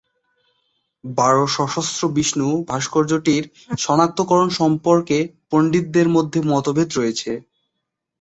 বারো-সশস্ত্র 'বিষ্ণু' ভাস্কর্যটির সনাক্তকরণ সম্পর্কে পণ্ডিতদের মধ্যে মতভেদ রয়েছে।